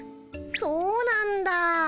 そうなんだ。